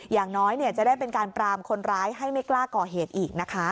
อย่างน้อยจะได้เป็นการปรามคนร้ายให้ไม่กล้าก่อเหตุอีกนะคะ